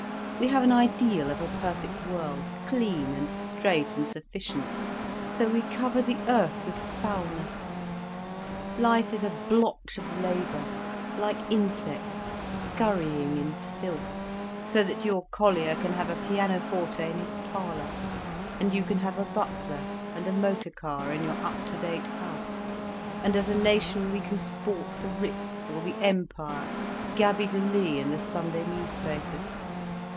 We have an ideal of a perfect world, clean and straight and sufficient. So we cover the earth with foulness; life is a blotch of labour, like insects scurrying in filth, so that your collier can have a pianoforte in his parlour, and you can have a butler and a motor car in your up to date house, and as a nation we can sport the Ritz, or the Empire, Gaby Deslys and the Sunday newspapers.